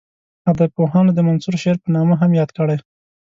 ادبپوهانو د منثور شعر په نامه هم یاد کړی.